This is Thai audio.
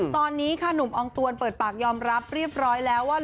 ตอนนี้ค่ะหนุ่มอองตวนเปิดปากยอมรับเรียบร้อยแล้วว่า